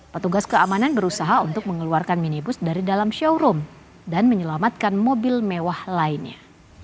petugas keamanan berusaha untuk mengeluarkan minibus dari dalam showroom dan menyelamatkan mobil mewah lainnya